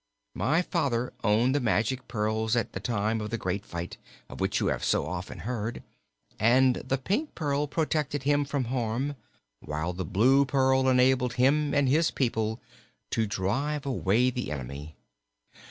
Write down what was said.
My father owned the magic pearls at the time of the Great Fight, of which you have so often heard, and the pink pearl protected him from harm, while the blue pearl enabled him and his people to drive away the enemy.